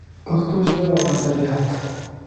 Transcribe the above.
پښتو ژبه او ادبیات